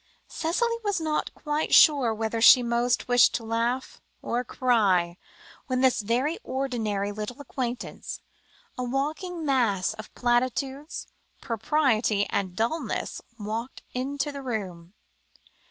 Cicely was not quite sure whether she most wished to laugh or cry, when this very ordinary little acquaintance, a walking mass of platitudes, propriety, and dullness, walked into the room.